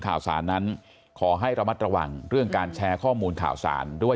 ข่าวสารนั้นขอให้ระมัดระวังเรื่องการแชร์ข้อมูลข่าวสารด้วย